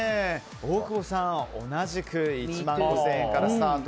大久保さん、同じく１万５０００円からスタート。